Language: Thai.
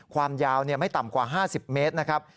ความยาวไม่ต่ำกว่า๕๐เมตรนะครับ